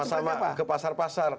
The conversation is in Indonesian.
sama sama ke pasar pasar